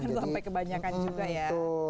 kan sampai kebanyakan juga ya